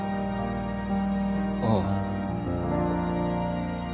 ああ。